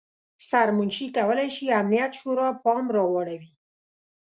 سرمنشي کولای شي امنیت شورا پام راواړوي.